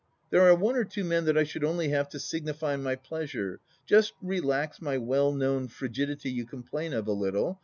There are one or two men that I should only have to signify my pleasure — ^just relax my well known frigidity you complain of a little.